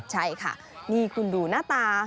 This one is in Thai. ใช่ค่ะนี่คุณดูหน้าตา